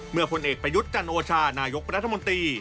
เมื่อคนเอกประยุทธ์จันโอชานายกประธมนตรี